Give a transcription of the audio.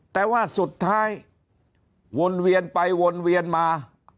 แต่ว่าสุดท้ายวนเวียนไปวนเวียนมา